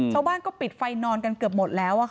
ชาวบ้านก็ปิดไฟนอนกันเกือบหมดแล้ว